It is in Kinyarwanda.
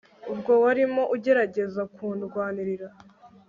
ubwo warimo ugerageza kundwanirira